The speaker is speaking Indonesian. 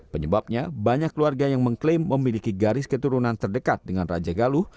penyebabnya banyak keluarga yang mengklaim memiliki garis keturunan terdekat dengan raja galuh